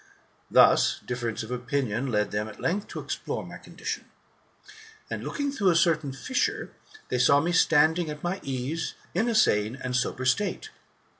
Thus, difference of opinion led them at length to explore my condition ; and, looking through a certain fissure, they saw me standing at my ease, in a sane and sober state.